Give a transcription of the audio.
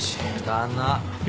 だな。